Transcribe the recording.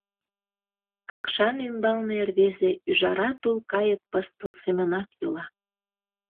Какшан ӱмбалне рвезе ӱжара тул-кайык пыстыл семынак йӱла.